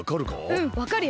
うんわかるよ。